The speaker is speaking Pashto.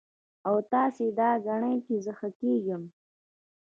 او تاسو دا ګڼئ چې زۀ ښۀ کېږم